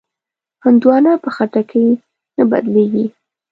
هندوانه په خټکي نه بدلېږي.